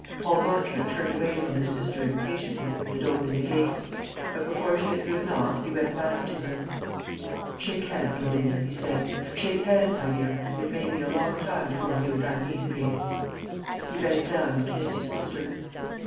Paul Marchmont turned away from his sister impatiently, and opened the gate; but before she had driven off, he went back to her. "Shake hands, Lavinia," he said; "shake hands, my dear; it may be a long time before you and I meet again." He bent down and kissed his sister.